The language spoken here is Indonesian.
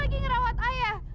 lagi merawat ayah